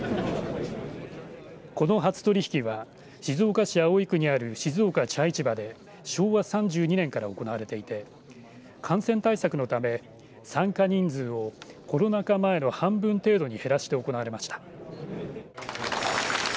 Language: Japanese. この初取り引きは静岡市葵区にある静岡茶市場で昭和３２年から行われていて感染対策のため参加人数をコロナ禍前の半分程度に減らして行われました。